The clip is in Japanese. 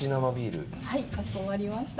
はいかしこまりました。